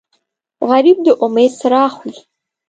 غریب د امید څراغ وي